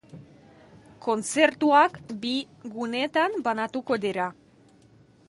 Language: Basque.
Kontzertuak bi gunetan banatuko dira.